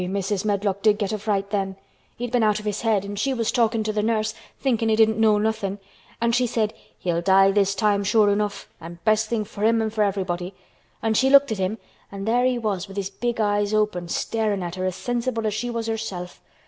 Eh! Mrs. Medlock did get a fright then. He'd been out of his head an' she was talkin' to th' nurse, thinkin' he didn't know nothin', an' she said, 'He'll die this time sure enough, an' best thing for him an' for everybody.' An' she looked at him an' there he was with his big eyes open, starin' at her as sensible as she was herself.